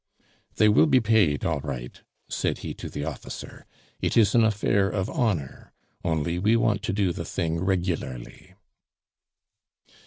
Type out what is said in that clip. "They will be paid all right," said he to the officer. "It is an affair of honor; only we want to do the thing regularly."